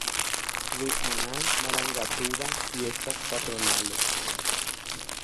Vyʼarã marangatúva fiestas patronales.